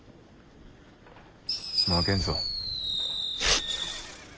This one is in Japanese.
負けんぞ。